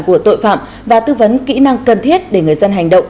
của tội phạm và tư vấn kỹ năng cần thiết để người dân hành động